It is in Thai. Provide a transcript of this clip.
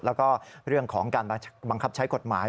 แล้วก็เรื่องของการบังคับใช้กฎหมาย